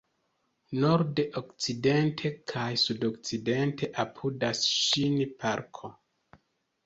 Norde, okcidente kaj sudokcidente apudas ĝin parko.